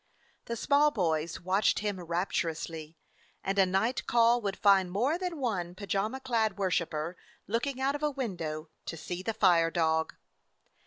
The small boys watched him rapturously, and a night call would find more than one pajama clad worshiper looking out of a window to see the "fire dog."